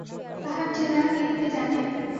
তাহার ঠিকানা কেহ কি জানে।